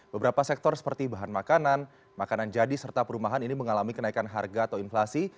beberapa sektor seperti bahan makanan makanan jadi serta perumahan ini mengalami kenaikan harga atau inflasi